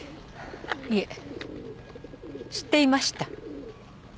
いえ知っていました。